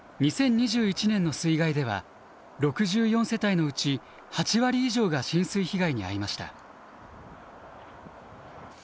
２０２１年の水害では６４世帯のうち８割以上が浸水被害に遭いました。